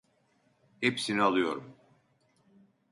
Hepsini alıyorum.